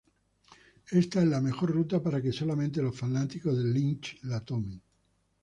Esta es la mejor ruta para que solamente los fanáticos de Lynch la tomen.